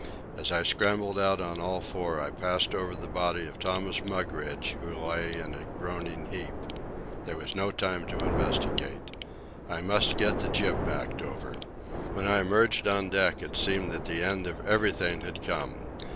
As I scrambled out on all fours, I passed over the body of Thomas Mugridge, who lay in a groaning heap. There was no time to investigate. I must get the jib backed over. When I emerged on deck it seemed that the end of everything had come.